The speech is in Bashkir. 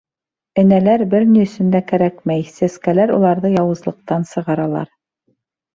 Энәләр бер ни өсөн дә кәрәкмәй, сәскәләр уларҙы яуызлыҡтан сығаралар.